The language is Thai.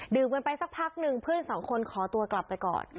กันไปสักพักนึงเพื่อนสองคนขอตัวกลับไปก่อน